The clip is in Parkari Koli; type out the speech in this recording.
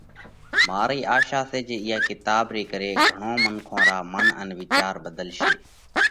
مارئِي آشا سئہ جي اِيئا ري ڪري گھڻون منکون را منَ ان وِيچار ڀڌلشي۔